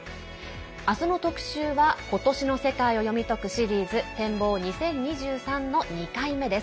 明日の特集は今年の世界を読み解くシリーズ展望２０２３の２回目です。